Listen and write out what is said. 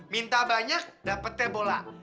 minta banyak dapetnya bola